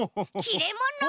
きれもの！